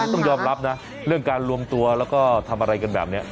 ต้องยอมรับนะเรื่องการรวมตัวแล้วก็ทำอะไรกันแบบนี้